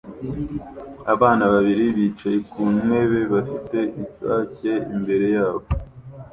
Abana babiri bicaye ku ntebe bafite isake imbere yabo